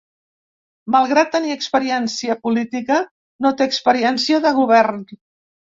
Malgrat tenir experiència política, no té experiència de govern.